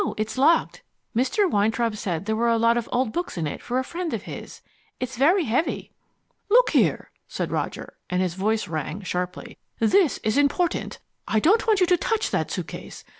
It's locked. Mr. Weintraub said there were a lot of old books in it for a friend of his. It's very heavy." "Look here," said Roger, and his voice rang sharply. "This is important. I don't want you to touch that suitcase.